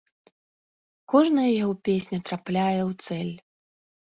Кожная яго песня трапляе ў цэль.